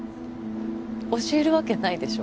教えるわけないでしょ。